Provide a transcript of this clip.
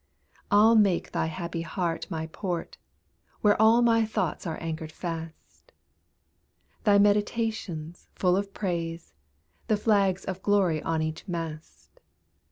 I'll make thy happy heart my port, Where all my thoughts are anchored fast; Thy meditations, full of praise, The flags of glory on each mast.